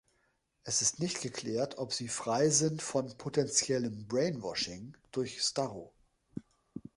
Es ist nicht geklärt, ob sie frei sind von potenziellem Brainwashing durch Starro.